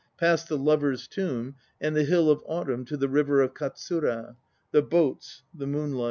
Past the Lovers' Tomb, And the Hill of Autumn To the River of Katsura, the boats, the moonlight.